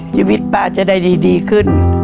ชีวิตป้าจะได้ดีขึ้น